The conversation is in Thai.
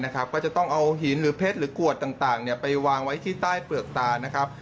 ก็จะต้องเอาหินหรือเพชรหรือขวดต่างไปวางไว้ที่ใต้เปลือกตานะครับ